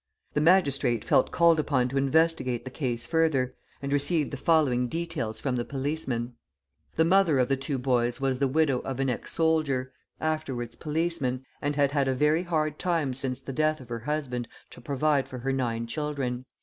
The magistrate felt called upon to investigate the case further, and received the following details from the policeman: The mother of the two boys was the widow of an ex soldier, afterwards policeman, and had had a very hard time since the death of her husband, to provide for her nine children.